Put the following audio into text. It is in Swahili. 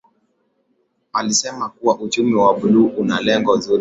Alisema kuwa Uchumi wa Buluu una lengo zuri sana